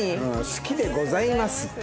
「好きでございます」って。